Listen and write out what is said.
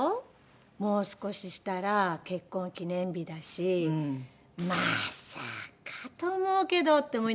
もう少ししたら結婚記念日だしまさかと思うけどって思いながら。